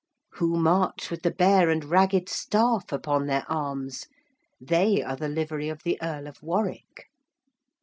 Who march with the bear and ragged staff upon their arms? They are the Livery of the Earl of Warwick.